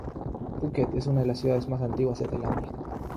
Phuket es una de las ciudades más antiguas de Tailandia.